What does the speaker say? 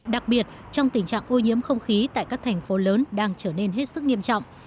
đặc biệt trong tình trạng ô nhiễm không khí tại các thành phố lớn đang trở nên hết sức nghiêm trọng